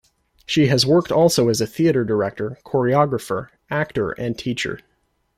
She has worked also as a theatre director, choreographer, actor and teacher.